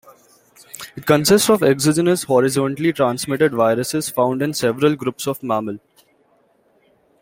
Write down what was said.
It consists of exogenous horizontally transmitted viruses found in several groups of mammals.